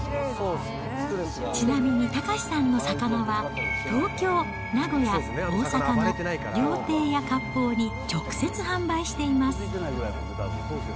ちなみに、岳さんの魚は、東京、名古屋、大阪の料亭やかっぽうに直接販売しています。